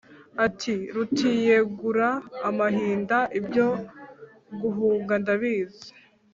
ati: rutiyegura amahina ibyo guhunga ntabizi!